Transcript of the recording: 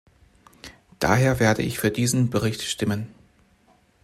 Daher werde ich für diesen Bericht stimmen.